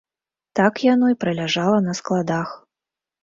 Так яно і праляжала на складах.